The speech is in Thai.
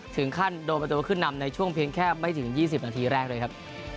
ถึงขั้นโดนประตูขึ้นนำในช่วงเพียงแค่ไม่ถึง๒๐นาทีแรกเลยครับ